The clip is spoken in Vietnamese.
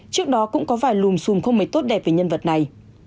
trước đó cũng có vài lùm xùm không mấy tốt đẹp về nhân vật này